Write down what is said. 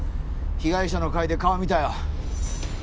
被害者の会で顔見たよ。